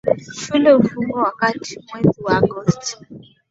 Shule hufungwa katika mwezi wa Agosti.